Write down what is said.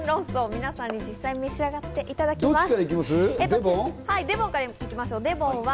皆さん実際に召し上がっていただきます。